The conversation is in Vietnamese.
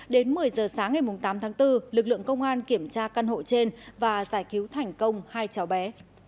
đến một mươi giờ sáng ngày tám tháng bốn lực lượng công an kiểm tra căn hộ trên và giải cứu thành công hai cháu bé